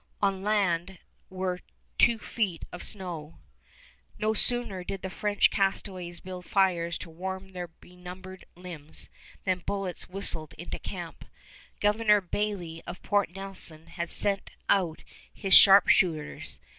On land were two feet of snow. No sooner did the French castaways build fires to warm their benumbed limbs than bullets whistled into camp. Governor Bayly of Port Nelson had sent out his sharpshooters.